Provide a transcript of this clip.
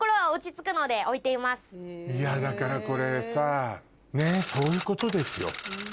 だからこれさねっそういうことですよ。